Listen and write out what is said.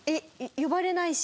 「呼ばれないし」。